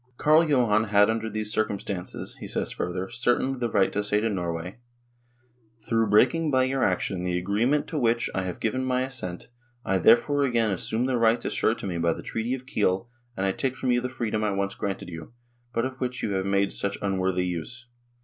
1 Carl Johan had under these circumstances, he says further, certainly the right to say to Norway :" Tlirough breaking by your action the agreement to which I have given my assent, I therefore again assume the rights assured to me by the Treaty of Kiel and I take from you the freedom I once granted you, but of which you have made such unworthy use."